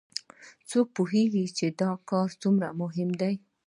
څوک پوهیږي چې دا کار څومره مهم ده